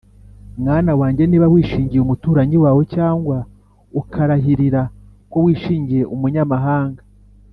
mwana wanjye, niba wishingiye umuturanyi wawe, cyangwa ukarahirira ko wishingiye umunyamahanga,